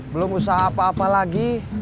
belum usaha apa apa lagi